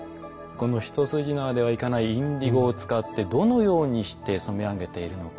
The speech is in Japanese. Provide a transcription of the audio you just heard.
この一筋縄ではいかないインディゴを使ってどのようにして染め上げているのか？